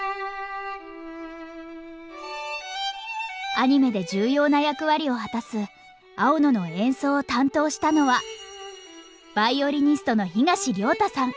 アニメで重要な役割を果たす青野の演奏を担当したのはヴァイオリニストの東亮汰さん。